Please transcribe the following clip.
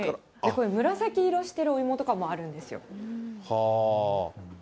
これ、紫色しているお芋とかもあるんですよ。